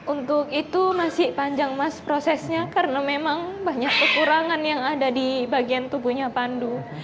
untuk itu masih panjang mas prosesnya karena memang banyak kekurangan yang ada di bagian tubuhnya pandu